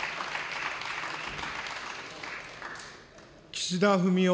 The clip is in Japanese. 岸田文雄